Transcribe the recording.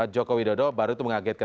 jokowi dodo baru itu mengagetkan